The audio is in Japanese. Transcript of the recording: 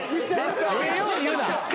ええように言うな。